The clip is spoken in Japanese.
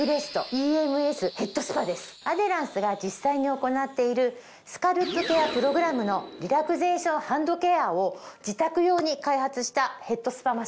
アデランスが実際に行っているスカルプケアプログラムのリラクゼーションハンドケアを自宅用に開発したヘッドスパマシンです。